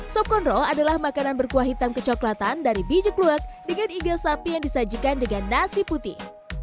sop konro adalah makanan berkuah hitam kecoklatan dari biji kluak dengan igal sapi yang disajikan dengan nasi putih